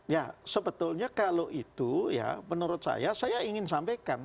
ya sebetulnya kalau itu ya menurut saya saya ingin sampaikan